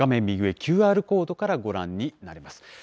右上、ＱＲコードからご覧になれます。